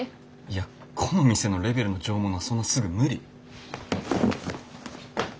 いやこの店のレベルの上物はそんなすぐ無理。